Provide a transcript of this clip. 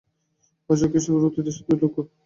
অশোক খ্রীষ্টপূর্ব তৃতীয় শতাব্দীর লোক।